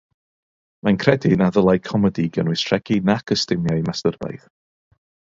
Mae'n credu na ddylai comedi gynnwys rhegi nac ystumiau mastyrbaidd.